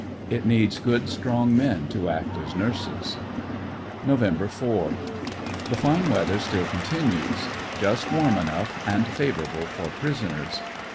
It needs good strong men to act as nurses. Nov. 4. — The tine w^eather still continues. Just warm enough, and favorable for prisoners.